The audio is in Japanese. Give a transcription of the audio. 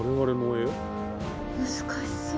難しそう。